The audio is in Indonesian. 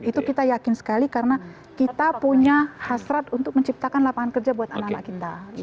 itu kita yakin sekali karena kita punya hasrat untuk menciptakan lapangan kerja buat anak anak kita